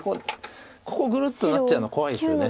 ここグルッとなっちゃうの怖いですよね。